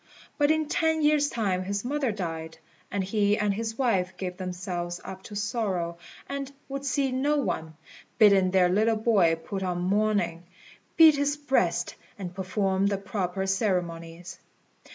But in ten years' time his mother died, and he and his wife gave themselves up to sorrow, and would see no one, bidding their little boy put on mourning, beat his breast, and perform the proper ceremonies.